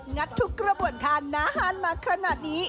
งัดทุกระบวนทานหน้าอาหารมาขนาดนี้